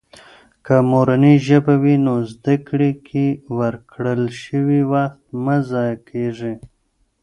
که مورنۍ ژبه وي، نو زده کړې کې ورکړل شوي وخت مه ضایع کېږي.